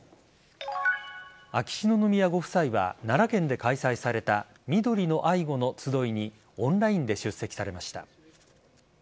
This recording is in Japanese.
秋篠宮ご夫妻は奈良県で開催された「みどりの愛護」のつどいにオンラインで出席されました。